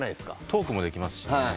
トークもできますしね。